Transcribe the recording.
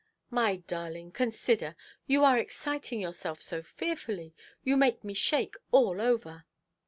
"My darling, consider. You are exciting yourself so fearfully. You make me shake all over".